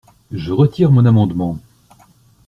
Je retire mon amendement.